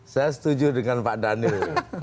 saya setuju dengan pak daniel